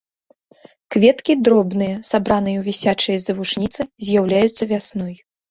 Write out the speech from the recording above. Кветкі дробныя, сабраныя ў вісячыя завушніцы, з'яўляюцца вясной.